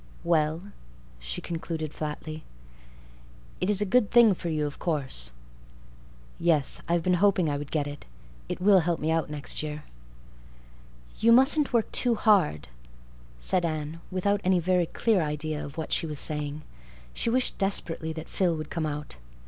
"Well," she concluded flatly, "it is a good thing for you, of course." "Yes, I've been hoping I would get it. It will help me out next year." "You mustn't work too hard," said Anne, without any very clear idea of what she was saying. She wished desperately that Phil would come out.